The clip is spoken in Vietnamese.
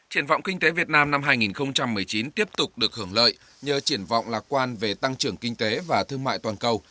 triển vọng kinh tế việt nam năm hai nghìn một mươi chín tiếp tục được hưởng lợi nhờ triển vọng lạc quan về tăng trưởng kinh tế và thương mại toàn cầu